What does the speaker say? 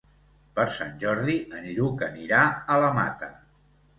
Per Sant Jordi en Lluc anirà a la Mata.